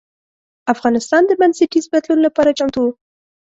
افغانستان د بنسټیز بدلون لپاره چمتو و.